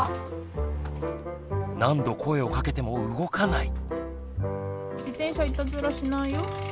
何度声をかけても動かない。